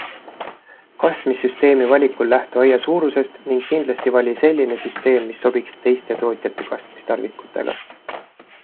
Kastmissüsteemi valikul lähtu aia suurusest ning kindlasti vali selline süsteem, mis sobiks teiste tootjate kastmistarvikutega.